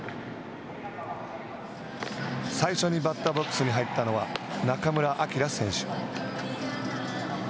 最初にバッターボックスに入ったのは中村晃選手。